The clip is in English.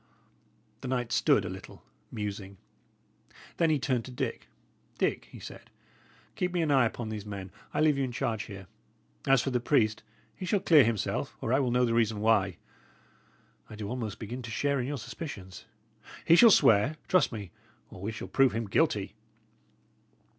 The knight stood a little, musing. Then he turned to Dick. "Dick," he said, "keep me an eye upon these men; I leave you in charge here. As for the priest, he shall clear himself, or I will know the reason why. I do almost begin to share in your suspicions. He shall swear, trust me, or we shall prove him guilty."